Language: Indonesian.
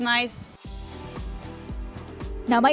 nama insadong adalah insadong